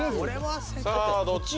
さぁどっち？